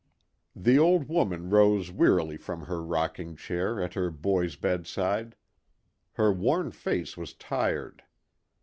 The old woman rose wearily from her rocking chair at her boy's bedside. Her worn face was tired.